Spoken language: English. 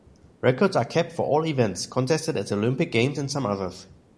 Records are kept for all events contested at the Olympic Games and some others.